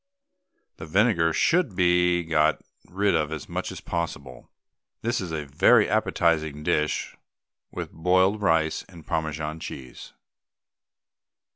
The vinegar should be got rid of as much as possible. This is a very appetising dish with boiled rice and Parmesan cheese.